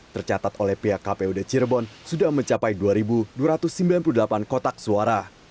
tercatat oleh pihak kpud cirebon sudah mencapai dua dua ratus sembilan puluh delapan kotak suara